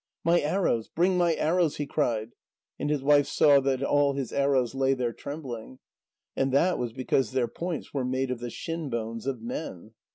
"My arrows bring my arrows!" he cried. And his wife saw that all his arrows lay there trembling. And that was because their points were made of the shinbones of men.